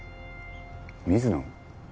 水野？